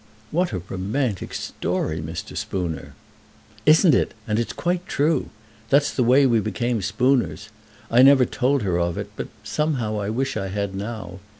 "What a romantic story, Mr. Spooner!" "Isn't it? And it's quite true. That's the way we became Spooners. I never told her of it, but, somehow I wish I had now.